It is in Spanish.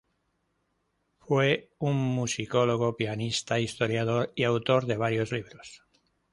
Fue un musicólogo, pianista, historiador y autor de varios libros.